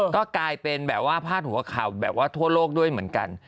ก็กลายเป็นแบบว่าพาดหัวข่าวแบบว่าทั่วโลกด้วยเหมือนกัน